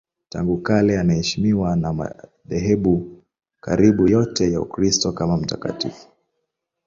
Tangu kale anaheshimiwa na madhehebu karibu yote ya Ukristo kama mtakatifu.